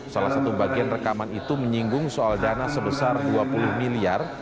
salah satu bagian rekaman itu menyinggung soal dana sebesar dua puluh miliar